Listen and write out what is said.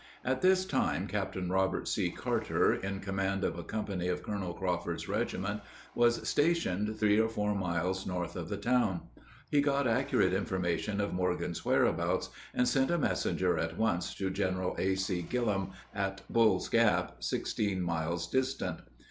At this time Captain Robert C. Carter, in command of a company of Colonel Crawford's regiment, was stationed three or four miles north of the town. He got accurate information of Morgan's whereabouts, and sent a messenger at once to General A.C. Gillem, at Bull's Gap, sixteen miles distant.